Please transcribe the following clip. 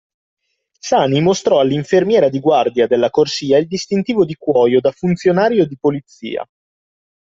Sani mostrò all'infermiera di guardia nella corsia il distintivo di cuoio da funzionario di polizia